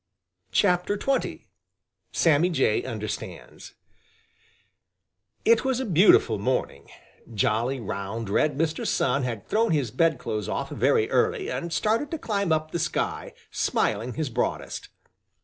XX. SAMMY JAY UNDERSTANDS It was a beautiful morning. Jolly, round, red Mr. Sun had thrown his bedclothes off very early and started to climb up the sky, smiling his broadest.